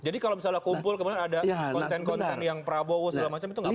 jadi kalau misalnya kumpul kemudian ada konten konten yang prabowo segala macam itu nggak boleh